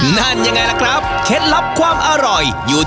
น้ำจิ้มเค้าอร่อย